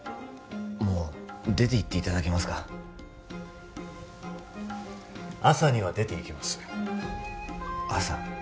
もう出ていっていただけますか朝には出ていきます朝？